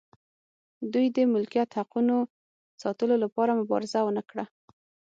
دوی د ملکیت حقونو ساتلو لپاره مبارزه ونه کړه.